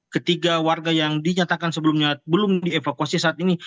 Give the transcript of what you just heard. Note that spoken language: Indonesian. ketiga warga yang dinyatakan sebelumnya belum dievakuasi saat ini